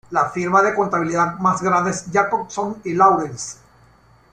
La firma de contabilidad más grande es Jacobson y Lawrence.